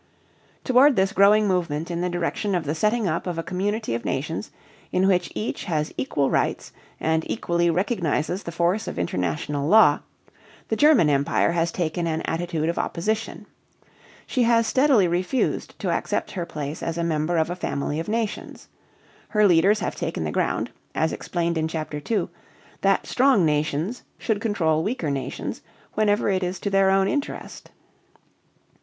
Toward this growing movement in the direction of the setting up of a community of nations in which each has equal rights and equally recognizes the force of international law, the German Empire has taken an attitude of opposition. She has steadily refused to accept her place as a member of a family of nations. Her leaders have taken the ground, as explained in Chapter II, that strong nations should control weaker nations whenever it is to their own interest.